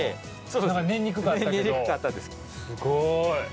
すごーい！